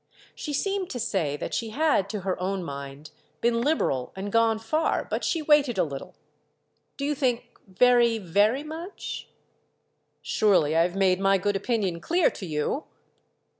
She seemed to say that she had, to her own mind, been liberal and gone far; but she waited a little. "Do you think very, very much?" "Surely I've made my good opinion clear to you!"